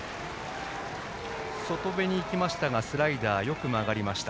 外めに行きましたがスライダー、よく曲がりました。